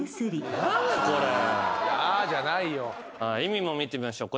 意味も見てみましょう。